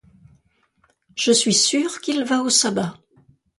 Je suis sûre qu’il va au sabbat.